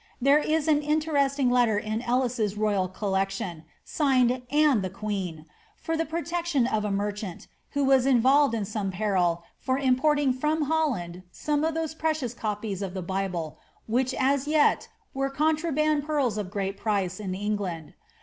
There is an interesting letter in Ellis^s Royal Collection, signed ^Anoe the queen,^ for the protection of a merchant, who was involved in some peril, for importing from Holland some of those precious copies* of the Bible, which, as yet, were contraband pearls of great price in Engkad.